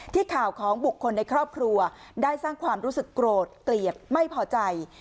ข่าวของบุคคลในครอบครัวได้สร้างความรู้สึกโกรธเกลียดไม่พอใจ